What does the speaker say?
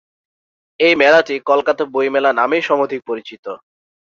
এই মেলাটি কলকাতা বইমেলা নামেই সমধিক পরিচিত।